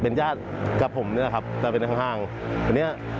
เป็นญาติกับผมนะครับแต่เป็นข้างไปเนี่ย